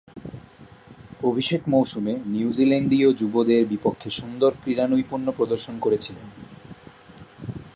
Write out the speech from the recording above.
অভিষেক মৌসুমে নিউজিল্যান্ডীয় যুবদের বিপক্ষে সুন্দর ক্রীড়ানৈপুণ্য প্রদর্শন করেছিলেন।